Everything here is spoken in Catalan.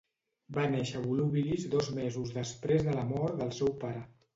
Va néixer a Volubilis dos mesos després de la mort del seu pare.